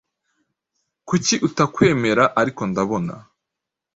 Kuki utakwemera ariko ndabona